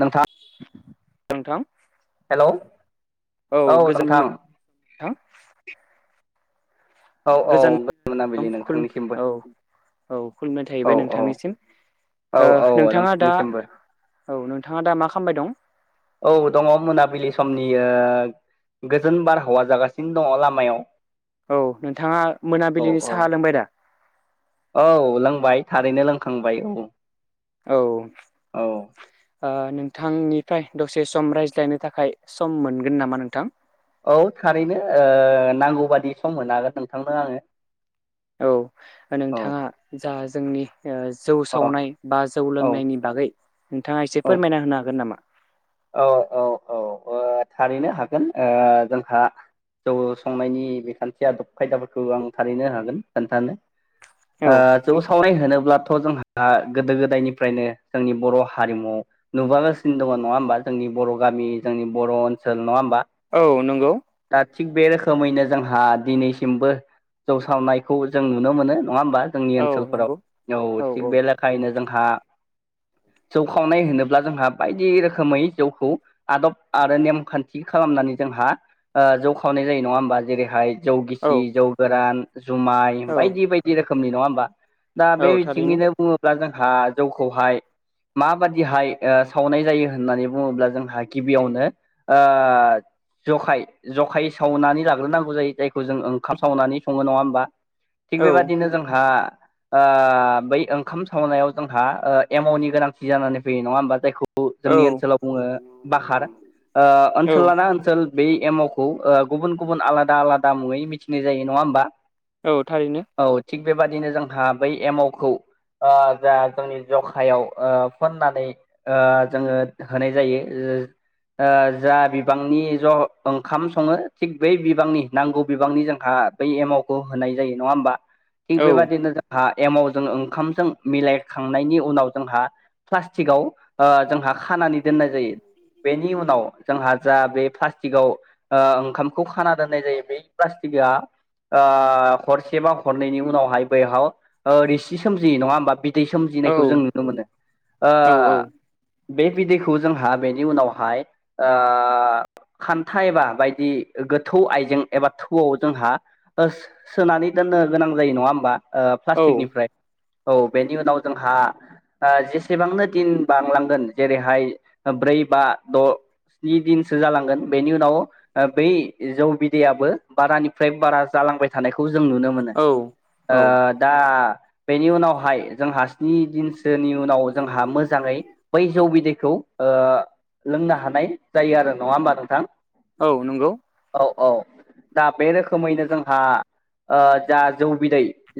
नोंथां नोंथां हेलौ औ नोंथां। थां औ औ गोजोन औ मोनाबिलि खुलुम नोंथांनिसिमबो औ खुलुमनाय औ थाहैबाय औ नोंथांनिसिम। औ ओ औ नोंथाङादा नोंथांनिसिमबो औ नोंथाङादा मा खामबाय दं? औ दंङ मोनाबिलि समनि ओ गोजोन बारहावा जागासिनो दङ लामायाव। औ नोंथाङा औ मोनाबिलिनि औ साहा लोंबायदा? औ लोंबाय थारैनो लोंखांबाय औ। औ। ओ औ नोंथांनिफ्राय दसे सम रायज्लायनो थाखाय सम मोनगोन नामा नोंथां? औ थारैनो ओ नांगौबादि सम होनोहागोन नोंथांनो आङो। औ औ नोंथाङा जा जोंनि जौ अ सावनाय बा जौ औ लोंनायनि बागै नोंथाङा एसे फोरमायना होनो हागोन नामा? औ औ। औ ओ थारैनो‌‌ हागोन‌ ओ जोंहा जौ संनायनि बेखान्थि आदब खायदाफोरखौ आं थारैनो हागोन खोन्थानो। औ ओ जौ सावनाय होनोब्लाथ' जोंहा गोदो गोदायनिफ्रायनो जोंनि बर' हारिमुआव नुबोागासिनो दङ नङा होमबा जोंनि बर' गामि जोंनि बर' ओनसोल नङा होमबा औ नंगौ। दा थिग बे रोखोमैनो जोंहा दिनैसिमबो जौ सावनायखौ जों नुनो मोनो नङा होमबा जोंनि औ नंगौ ओनसोलफोराव औ थिग बेले खायैनो जोंहा जौ खावनाय होनोब्ला जोंहा बायदि रोखोमै जौखौ आदब आरो नेमखान्थि खालामनानै जोंहा ओ जौ खावनाय जायो नङा होमबा जेरैहाय जौ गिसि जौ गोरान जुमाय औ बायदि बायदि रोखोमनि नङा होमबा? दा औ बे औ थारैनो बिथिंनिनो बुङोब्ला जोंहा जौखौहाय माबादिहाय सावनाय जायो होननानै बुङोब्ला जोंहा गिब बियावनो ओ जखाय जखायै सावनानै लाग्रोनांगौ जायो जायखौ जों ओंखाम सावनानै सङो नङा होमबा। थिग औ बेबादिनो जोंहा बै ओंखाम सावनायाव जोंहा एमावनि गोनांथि जानानै फैयो नङा होमबा जायखौ औ जोंनि ओनसोलाव बुङो बाकार ओ औ ओनसोल लाना ओन सोल बे एमावखौ गुबुन गुबुन आलादा आलादा मुङै मिथिनाय जायो नङा होमबा। औ थारैनो। औ थिग बेबादिनो जोंहा बै एमावखौ जा जोंनि जखायाव फुननानै जोङो होनाय जायो। [unintelligible] जा बिबांनि ज' ओंखाम सङो थिग बै बिबांनि नांगौ बिबांनि जोंहा बै एमावखौ होनाय जायो नङा होमबा थिग औ बेबादिनो जों हा एमावजों ओंखामजों मिलायखांनायनि उनाव जोंहा प्लास्टिकआव जोंहा खानानै दोननाय जायो। बेनि उनाव जोंहा जा बे प्लास्टिकआव ओ ओंखामखौ खाना दोननाय जायो बै प्लास्टिकआ ओ हरसे बा हरनैनि उनावहाय बैहाव रिसि सोमजियो नङा होमबा बि दै औ सोमजिनायखौ जों नुनो मोनो औ बे बिदैखौ जोंहा बेनि उनावहाय ओ खान्था एबा बायदि गोथौ आइजें एबा थौआव जोंहा सो सोनानै दोननो गोनां जायो नङा होमबा प्लास्टिकनिफ्राय। औ बेनि उनाव जोंहा जेसेबांनो दिन बांलांगोन जेरैहाय ब्रै बा द' स्नि दिनसो जालांगोन बेनि उनाव बै जौ बिदैयाबो बारानिफ्राय बारा जालांबाय थानायखौ जों नुनो मोनो। औ औ ओ दा बेनि उनावहाय जोंहा स्नि दिनसो सोनि उनाव जोंहा मोजाङै बै जौ बिदैखौ ओ लोंनो हानाय जायो आरो नङा होमबा नोंथां? औ नंगौ। औ औ दा बे रोखोमैनो जोंहा ओ जा जौ बिदै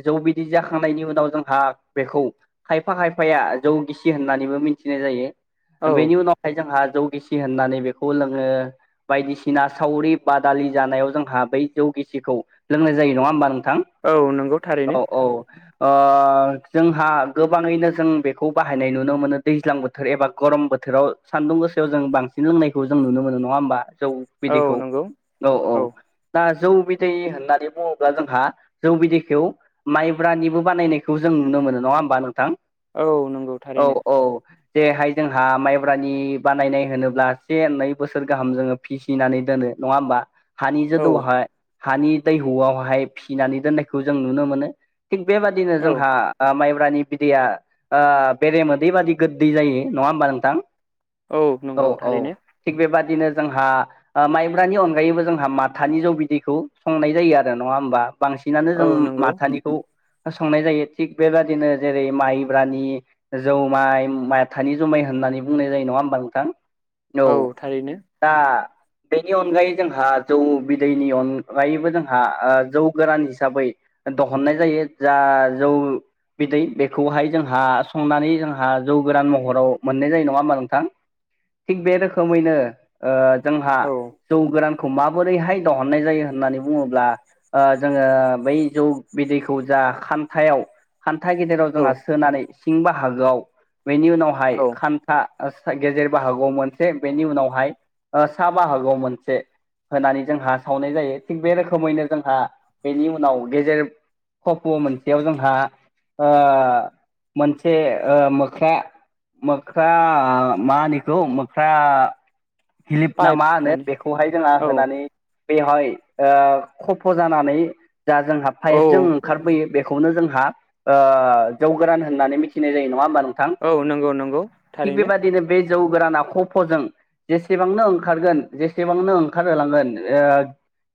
जौ बिदै जाखांनायनि उनाव जोंहा बेखौ खायफा खायफाया जौ गिसि होननानैबो मिथिनाय जायो। औ बेनि उनावहाय जोंहा जौ गिसि होननानै बेखौ लोङो। बायदिसिना सावरि बादालि जानायाव जोंहा बै जौगिसिखौ लोंनाय जायो नङा ओमबा नोंथां औ नंगौ थारैनो औ औ अ जोंहा गोबाङैनो जों बेखौ बाहायनाय नुनो मोनो दैज्लां बोथोर एबा गरम बो थोराव सान्दुं गोसायाव जों बांसिन लोंनायखौ जों नुनो मोनो नङा ओमबा जौ औ बिदैखौ नंगौ औ औ दा जौ बिदै होननानै बुङोब्ला जोंहा जौ बिदैखौ माइब्रानिबो बानायनायखौ जों नुनो मोनो नङा होमबा नोंथां? औ नंगौ औ थारैनो औ जेरैहाय जोंहा माइ ब्रानि बानायनाय होनोब्ला से नै बोसोर गाहाम जोङो फिसिनानै दोनो नङा ओमबा हानि औ जोदौआवहाय हानि दैहुआवहाय फिसिनानै दोननायखौ जों नुनो मोनो। थिग बेबादिनो औ जोंहा ओ माइब्रानि बिदैया ओ बेरे मोदै बादि गोदै जायो नङा ओमबा नोंथां? औ नंगौ औ थारैनो थिग बेबादिनो जोंहा ओ माइब्रानि अनगायैबो जोंहा माथानि जौ बिदैखौ संनाय जायो आरो नङा ओमबा? बांसिनानो औ जों नंगौ माथानिखौ संनाय जायो थिग बेबादिनो जेरै माइब्रानि जौमाय माथानि जुमाय होननानै बुंनाय जायो नङा ओमबा नोंथां औ दा बेनि अनगायै जोंहा जौ बिदैनि अनगायैबो जोंहा ओ जौ गोरान हिसाबै दहननाय जा जौ बिदै बेखौहाय जोंहा संनानै जोंहा जौ गोरान महराव मोननाय जायो नङा ओमबा नोंथां थिग बे रोखोमैनो ओ जोंहा औ जौ गोरान खौ माबोरैहाय दहननाय जायो होननानै बुङोब्ला ओ जोङो बै जौ बिदैखौ जा खान्थायाव खान्था गेदेराव औ जोङा सोनानै सिं बाहागोआव बेनि उनावहाय औ खान था गेजेर बाहागोआव मोनसे बेनि उनावहाय ओ सा बाहागोआव मोनसे होनानै जोंहा सावनाय जायो थिग बे रोखोमैनो जोंहा बेनि उनाव गेजेर खफ' मोनसेयाव जोंहा ओ मोनसे ओ मोख्रा ख्रा आ मा होनो आंखौ मोख्रा घिलिप ना पाइप मा होनो माने बेखौहाय जोङा औ होनानै बेवहाय ओ खफ जानानै जा जोंहा औ फाइपजों ओंखारबोयो बे खौनो जोंहा ओ जौ गोरान होननानै मिथिनाय जायो नङा ओमबा नोंथां? औ नंगौ नंगौ। थिग थारैनो बेबायदिनो बे जौ गोराना खफजों जेसेबांनो ओंखारगोन जेसेबांनो ओंखारहोलांगोन ओ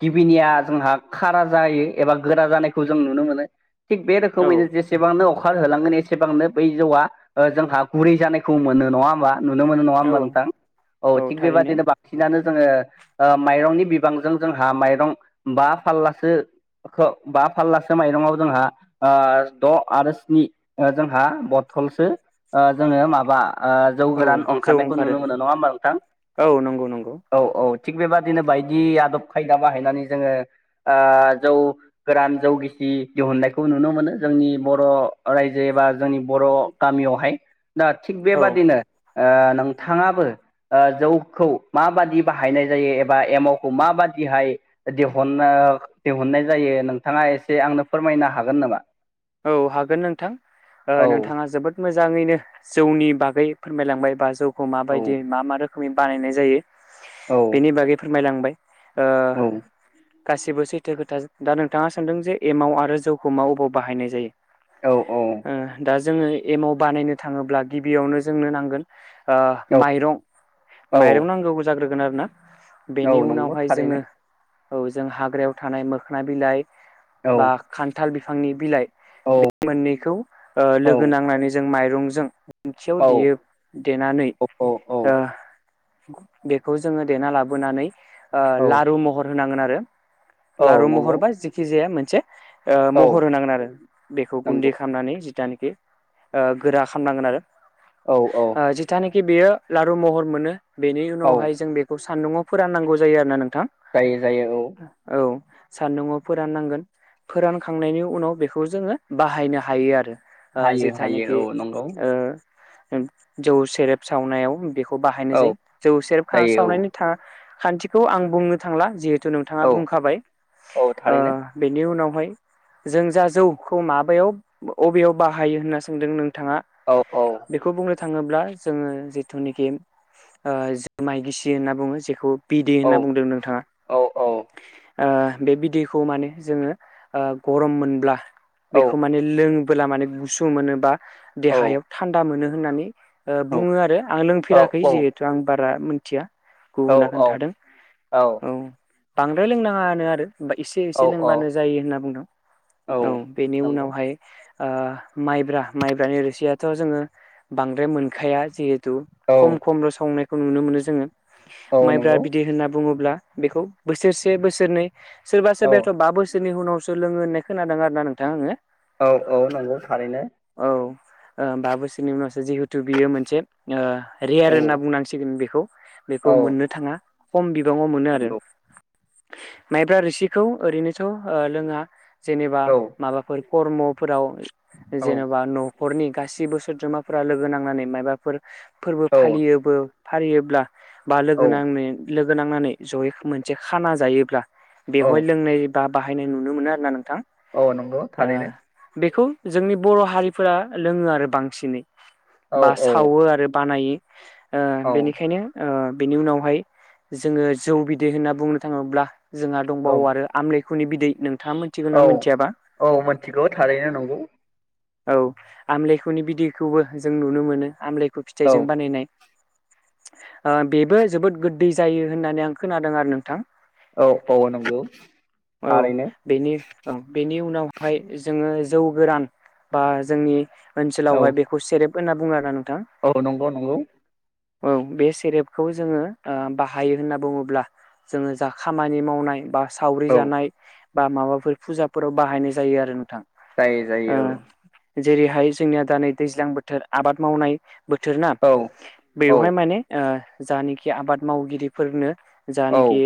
गिबिनिया जोंहा खारा जायो एबा गोरा जानायखौ जों नुनो मोनो‌ थिग बे औ रोखोमैनो जेसेबांनो अखार होलांगोन एसेबांनो बै जौवा ओ जोंहा गुरै जानायखौ मोनो नङा ओमबा नुनो मोनो नङा औ ओमबा नोंथां औ थिग बेबायदिनो बां सिनायनो जोङो ओ माइरंनि बिबांजों जोंहा माइरं बा फाल्लासो खो बा फाल्लासो माइरङाव जोंहा ओ द आरो स्नि ओ जोंहा बथलसो ओ जोङो माबा ओ जौ औ गोरान जौ ओंखारनायखौ ओंखारो नुनो मोनो नङा ओमबा नोंथां? औ नंगौ नंगौ औ औ थिग बेबादिनो बायदि आदब खायदा बाहायनानै जोङो ओ जौ गोरान जौगिसि दिहुननायखौ नुनो मोनो जोंनि बर' रायजो एबा जोंनि बर' गामियावहाय दा थिग औ बेबादिनो ओ नोंथांङाबो जौखौ माबादि बाहायनाय जायो एबा एमावखौ माबादिहाय दिहुननो दिहुननाय जायो नोंथाङा एसे आंनो फोरमायनो हागोन नामा? औ हागोन नोंथां ओ औ नोंथाङा जोबोद मोजाङैनो जौनि बागै फोरमायलांबाय बा जौखौ औ माबायदि मा मा रो खोमै बानायनाय जायो। औ। नि बागै फोरमायलांबाय। ओ औ गासिबो सैथो खोथा। दा नोंथाङा सोंदों जे एमाव आरो जौखौ मा अबाव बाहायनाय जायो? औ औ ओ दा जोङो एमाव बानायनो थाङोब्ला गिबियावनो जोंनों नांगोन आ माइरं, औ माइरं नांग्रोगौ जाग्रोगोन आरोना। औ बेनि नंगौ उनावहाय थारैनो जोङो औ जों हाग्रायाव थानाय मोखोना बिलाइ औ बा खान्थाल बिफांनि बिलाइ। औ बे मोननैखौ लोगो नांनानै जों माइरंजों दिंखियाव औ औ देयो, देनानै औ औ औ ओ बेखौ जोङो देना लाबोनानै औ लारु महर होनांगोन आरो। औ लारु महर नंगौ बा जेखि जाया मोनसे औ महर होनांगोन आरो बेखौ नंगौ गुन्दै खालामनानै जिथानिखि ओ गोरा खालामनांगोन आरो। औ औ ओ जानोखि बेयो लारु महर मोनो, बेनि औ उनावहाय जों बेखौ सान्दुङआव फोराननांगौ जायो आरोना नोंथां? जायो जायो औ। औ। सान्दुआव फोराननांगोन फोरानखांनायनि उनाव बे खौ जोङो बाहायनो हायो आरो। ओ हायो हायो जिथानखि औ नंगौ ओ जौ सेरेब सावनायाव बेखौ बाहायनाय औ जायो। जौ सेरेब जायो सावनायनि था खान्थिखौ आं बुंनो थांला जिहेथु नोंथाङा औ बुंखाबाय। औ ओ थारैनो बेनि उनावहाय जों जा जौखौ माबायाव बबेयाव बाहायो होनना सोंदों नोंथाङा औ औ। बेखौ बुंनो थाङोब्ला जोङो जिथुनिखि जुमाय गिसि होनना बुङो। जेखौ बिदै औ होनना बुंदों नोंथाङा। औ औ ओ बे बिदैखौ माने जोङो गरम मोनब्ला औ बेखौ माने लोंबोला माने गुसु मोनो बा औ देहायाव थान्दा मोनो होननानै ओ बुङो आरो आं लोंफेराखै जिहेथु आं बारा मोन्थिया। गुबुना खोन्थादों। औ। बांद्राय लोंनाङा होनो आरो। बा एसे औ एसे लोंबानो जायो होनना बुंदों। औ बेनि नंगौ उनावहाय ओ माइब्रा, माइब्रानि रोसियाथ' जोङो बांद्राय मोनखाया जि थु औ खम खमल' संनायखौ नुनो मोनो जोङो। औ माइब्रा नंगौ बिदै होनना बुङोब्ला बेखौ बोसोरसे बोसोरनै सोरबा औ सोरबायाथ' बा बोसोरनि उनावसो लोङो होननाय खोनादों आरो ना नोंथां आङो। औ औ नंगौ थारैनो। औ बा बोसोरनि उनावसो जिहेथु बियो मोनसे ओ रेयार औ होनना बुंनांसिगोन बेखौ, बेखौ औ मोननो थाङा खम बिबाङाव मोनो आरो। नंगौ माइब्रा रोसिखौ ओरैनोथ' लोङा जेनेबा औ माबा फोर कर्मफोराव औ जेन'बा न'खरनि गासिबो सोद्रोमाफोरा लोगो नांनानै मायबा फोर-फोरबो फालियोबो फालियोब्ला बा लोगो औ नांनो लोगो नांनानै जयै मोनसे खाना जायोब्ला औ बेवहाय लोंनाय बा बाहायनाय नुनो मोनो आरोना नों औ नंगौ थारैनो बेखौ जोंनि बर' हारिफोरा लोङो आरो बांसिनै। औ बा सावो आरो बानायो औ ओ बेनिखायनो ओ बेनि उनावहाय जोङो जौ बिदै होनना बुंनो थाङोब्ला जोंहा औ दंबावो आरो आमलेखुनि बिदै नोंथांमोन औ औ मोनथिगौ थारैनो नंगौ। औ आमलेखुनि बिदैखौबो जों नुनो मोनो आमलेखु औ फिथाइजों बानायनाय। ओ बेबो जोबोद गोदै जायो होननानै आं खोनादों आरो नोंथां। औ औ नंगौ औ थारैनो। बेनि बेनि उनावहाय जोङो जौ गोरान बा जोंनि औ ओनसोलावहाय बेखौ सेरेब होनना बुङो आरोना नोंथां। औ नंगौ नंगौ। औ बे सेरेपखौ जोङो ओ बाहायो होनना बुङोब्ला जोङो जा खामानि मावनाय बा सावरि औ जानाय बा माबाफोर फुजाफोराव बाहायनाय जायो आरो नोंथां। जायो जायो औ। ओ जेरैहाय जोंनिया दा नै दैज्लां बोथोर आबाद मावनाय बोथोर ना औ। औ बेवहाय माने ओ‌ जानोखि आबाद मावगिरिफोरनो औ जानोखि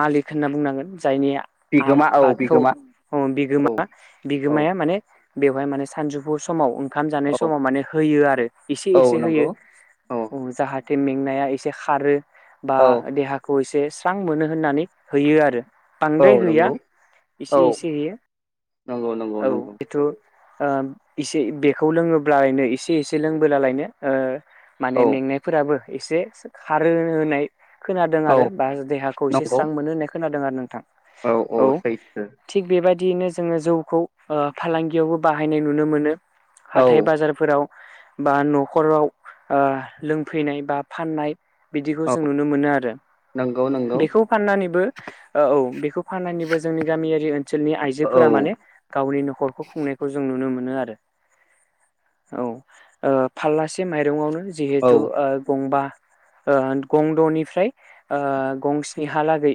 मालिक होनना बुंनांगोन जायनि आ बिगोमा औ बादखौ बिगोमा अ औ बिगोमा औ बिगोमाया माने बेवहाय माने सानजौफु समाव ओंखाम जानाय औ समाव माने होयो आरो एसे औ एसे होयो। नंगौ औ जाहाथे मेंनाया एसे खारो बा औ देहा खौ एसे स्रां मोनो होननानै होयो आरो औ बांद्राय होया नंगौ एसे औ एसे होयो नंगौ नंगौ औ। नंगौ जिथु ओ एसे बेखौ लोङोब्लालायनो एसे एसे लोंबोलालायनो ओ माने औ मेंनायफोराबो एसे खारो होनाय खोनादों औ आरो बा देहाखौ एसे नंगौ स्रां मोनो होननाय खोनादों आरो नोंथां। औ औ सैथो। थिग बेबायदियैनो जोङो जौखौ ओ फालांगियावबो बाहायनाय नुनो मोनो। औ हाथाय बाजारफोराव बा नख'राव ओ‌ लोंफैनाय बा फाननाय बिदिखौ औ जों नुनो मोनो आरो नंगौ नंगौ बेखौ फाननानैबो ओ औ बेखौ फाननानैबो जोंनि गामियारि ओनसोलनि औ आइजोफोरा माने गावनि न'खरखौ खुंनायखौ जों नुनो मोनो आरो। औ ओ फाल्लासे माइरंआवनो औ जिहेथु गंबा ओ गं दनिफ्राय गं स्निहालागै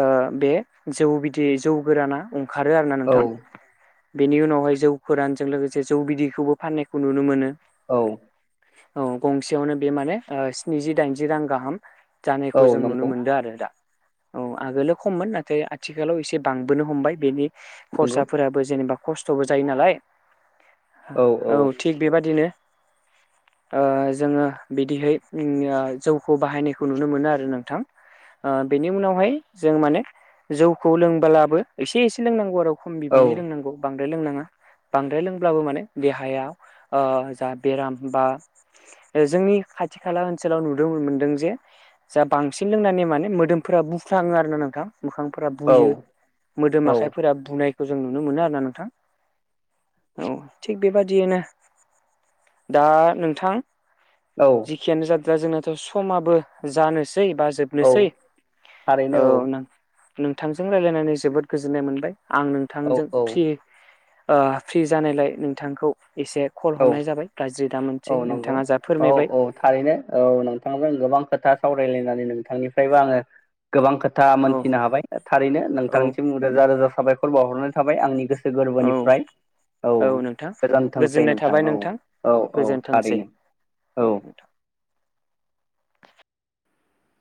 ओ‌ बे जौ बिदि जौ गोराना ओंखारो आरोना औ नोंथां। बेनि उनावहाय जौ गोरानजों लोगोसे जौ बिदैखौबो फाननायखौ नुनो मोनो। औ। औ गंसेयावनो बे माने ओ स्निजि दाइनजि रां गाहाम। जानायखौ औ जों नुनो नंगौ मोनदों आरो दा औ आगोलो खममोन नाथाय आथिखालाव एसे बांबोनो हमबाय बेनि नंगौ खरसाफोराबो जेनेबा खस्थबो जायो नालाय। औ थिग बेबादिनो ओ‌ जोङो बिदिहै ओम जौखौ बाहायनायखौ नुनो मोनो आरो नोंथां। ओ‌ बेनि उनावहाय जों माने जौखौ लों बोलाबो एसे एसे लोंनांगौ आरो खम बिबांनि लोंनांगौ। बांद्राय लोंनाङा बांद्राय लोंब्लाबो माने देहायाव ओ जा बेराम बा ओ जोंनि खाथि खाला ओनसोलाव नुनो मोनदों जे जा बांसिन लोंनानै माने मोदोमफोरा बुफ्राङो आरो ना नोंथां मोखांफोरा औ बुयो। मोदोम औ औ आखाइफोरा बुनायखौ जों नुनो मोनो आरो ना नोंथां। औ थिग बेबादियैनो दा नोंथां औ। जिखियानो जादोआ जोंनाथ' समाबो जानोसै बा जोब औ नोसै औ नों नोंथांजों रायलायनानै जोबोद गोजोननाय मोनबाय आं नोंथांजों औ फ्रि ओ फ्रि जानायलाय नोंथांखौ एसे कल औ हरनाय जाबाय। गाज्रि दामोनसै औ नंगौ नोंथाङा जा औ फोरमायबाय। औ थारैनो औ नोंथांजों गोबां खोथा सावरायलायनानै नोंथांनिफ्रायबो आङो गोबां खोथा औ मोनथिनो हाबाय थारैनो औ नोंथांनिसिम रोजा रोजा साबायखर बावहरनाय थाबाय आंनि गो गोसो औ गोरबोनिफ्राय औ नोंथां गोजोन थैसै गोजोननाय नोंथां थाबाय औ औ। औ गोजोनथोंसै थारैनो औ।